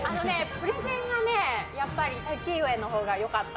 プレゼンがね、やっぱりたきうえのほうが良かった。